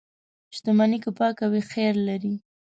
• شتمني که پاکه وي، خیر لري.